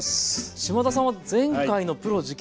島田さんは前回の「プロ直伝！」